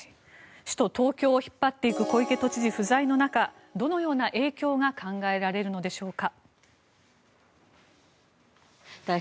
首都・東京を引っ張っていく小池都知事不在の中、どのような影響が考えられるのでしょうか。